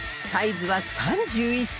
サイズは３１ｃｍ。